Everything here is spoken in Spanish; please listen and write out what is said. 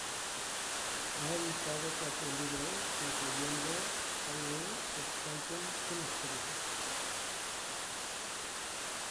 Ha editado cuatro libros, incluyendo "Pioneers of Quantum Chemistry.